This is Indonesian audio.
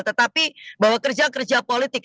tetapi bahwa kerja kerja politik